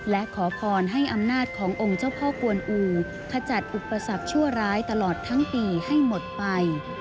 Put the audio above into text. และขอพรให้อำนาจขององค์เจ้าพ่อกวนอูขจัดอุปสรรคชั่วร้ายตลอดทั้งปีให้หมดไป